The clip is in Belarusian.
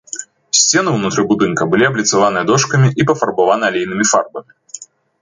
Сцены ўнутры будынка былі абліцаваныя дошкамі і пафарбаваны алейнымі фарбамі.